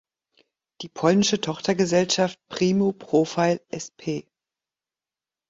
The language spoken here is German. Die polnische Tochtergesellschaft Primo Profile Sp.